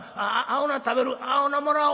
青菜食べる」。